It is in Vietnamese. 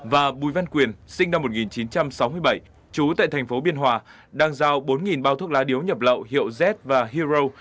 và bùi văn quyền sinh năm một nghìn chín trăm sáu mươi bảy trú tại thành phố biên hòa đang giao bốn bao thuốc lá điếu nhập lậu hiệu z và hero